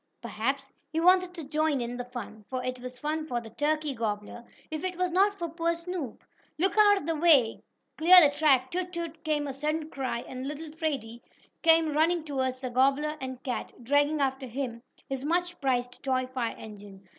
Perhaps he wanted to join in the fun, for it was fun for the turkey gobbler, if it was not for poor Snoop. "Look out the way! Clear the track! Toot! Toot!" came a sudden cry and little Freddie came running toward the gobbler and cat, dragging after him his much prized toy fire engine.